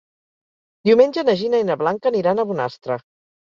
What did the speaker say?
Diumenge na Gina i na Blanca aniran a Bonastre.